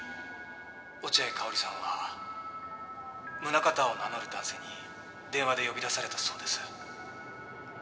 「落合佳保里さんは宗形を名乗る男性に電話で呼び出されたそうです」